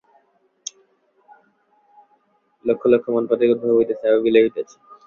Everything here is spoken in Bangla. লক্ষ লক্ষ মতবাদের উদ্ভব হইতেছে, আবার বিলয় হইতেছে।